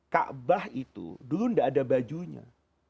ka'bah itu dulu tidak ada bajunya